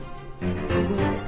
すごい。